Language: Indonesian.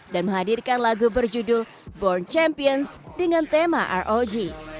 dan menghadirkan lagu berjudul born champions dengan tema rog